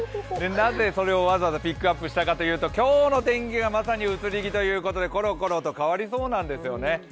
なぜそれをわざわざピックアップしたかというと今日の天気がまさに移り気ということでコロコロと変わりそうなんですよね。